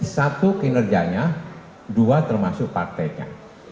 satu kinerjanya dua termasuk partainya